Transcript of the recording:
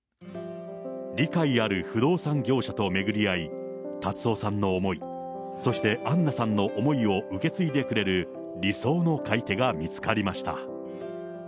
理解ある不動産業者と巡り合い、辰夫さんの思い、そしてアンナさんの思いを受け継いでくれる、理想の買い手が見つかりました。